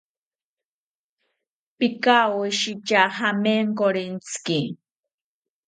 Pikawoshitya jamenkorentziki